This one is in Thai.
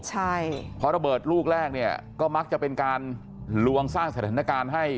ใช่เพราะระเบิดลูกแรกเนี่ยก็มักจะเป็นการลวงสร้างสถานการณ์ให้